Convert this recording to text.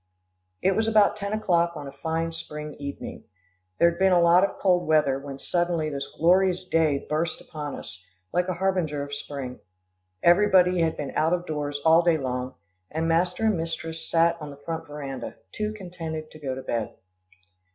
It was about ten o'clock on a fine spring evening. There had been a lot of cold weather, when suddenly this glorious day burst upon us, like a harbinger of summer. Everybody had been out of doors all day long, and master and mistress sat on the front veranda, too contented to go to bed.